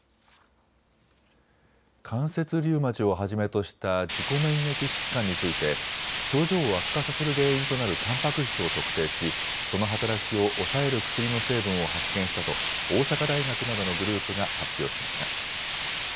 関節リウマチをはじめとした自己免疫疾患について症状を悪化させる原因となるたんぱく質を特定しその働きを抑える薬の成分を発見したと大阪大学などのグループが発表しました。